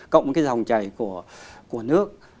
cộng với cái dòng chảy của nước